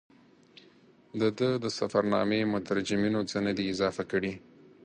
د ده د سفرنامې مترجمینو څه نه دي اضافه کړي.